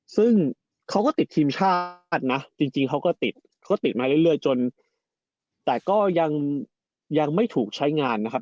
ซึ่งเขาก็ติดทีมชาตินะจริงเขาก็ติดเขาติดมาเรื่อยจนแต่ก็ยังไม่ถูกใช้งานนะครับ